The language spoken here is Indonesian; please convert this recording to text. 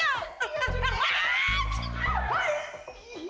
oh punya mata gak sih